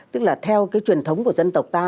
tức là theo cái truyền thống của dân tộc ta